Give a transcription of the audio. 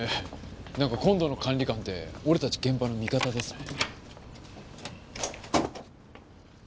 なんか今度の管理官って俺たち現場の味方ですね。